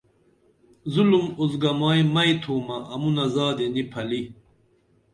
ظُلُم اُزگمائی مئی تُھمہ امونی زادی نی پھلی